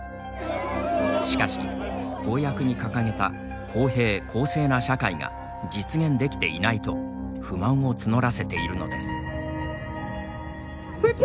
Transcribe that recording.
しかし、公約に掲げた公平・公正な社会が実現できていないと不満を募らせているのです。